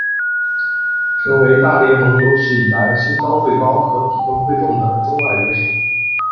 成为大联盟有史以来身高最高和体重最重的中外野手。